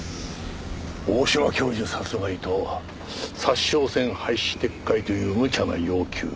大島教授殺害と札沼線廃止撤回というむちゃな要求。